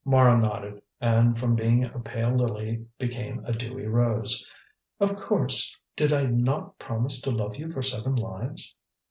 Mara nodded, and from being a pale lily became a dewy rose. "Of course. Did I not promise to love you for seven lives?"